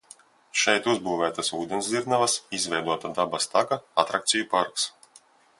Šeit uzbūvētas ūdensdzirnavas, izveidota dabas taka, atrakciju parks.